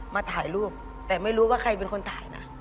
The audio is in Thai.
มาถ่ายรูปแต่ไม่รู้ว่าใครเป็นคนถ่ายนะ